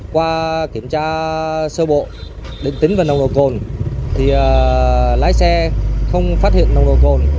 qua kiểm tra sơ bộ định tính và nồng nội cồn thì lái xe không phát hiện nồng nội cồn